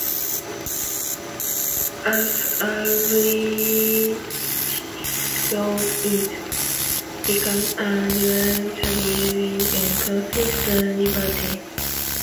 As Aldridge Road it becomes a dual carriageway and crosses the River Tame.